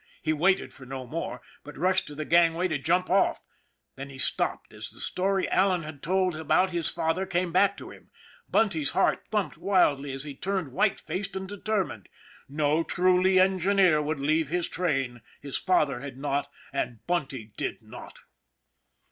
He waited for no more, but rushed to the gang way to jump off. Then he stopped as the story Allan had told about his father came back to him. Bunty's heart thumped wildly as he turned white faced and determined. No truly engineer would leave his train; his father had not, and Bunty did not.